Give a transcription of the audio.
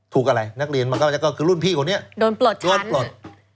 ถูกอะไรนักเรียนมันก็คือรุ่นพี่คนนี้โดนปลด